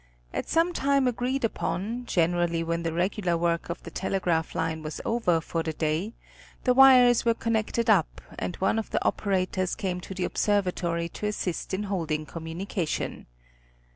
At some time agreed upon, generally when the. regular work of the tele graph line was over for the day, the wires were connected up and one of the operators came to the observatory to assist in holding communication.